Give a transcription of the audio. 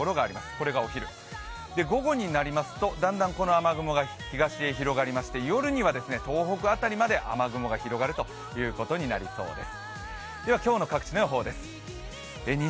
これがお昼、午後になりますとだんだんこの雨雲が東に広がり、夜には東北辺りまで雨雲が広がるということになりそうです。